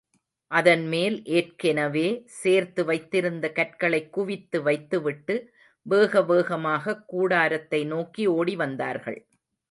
அதன் மேல் ஏற்கெனவே சேர்த்து வைத்திருந்த கற்களைக் குவித்து வைத்து விட்டு வேகவேகமாகக் கூடாரத்தை நோக்கி ஓடிவந்தார்கள்.